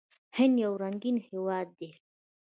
هند یو رنګین هیواد دی.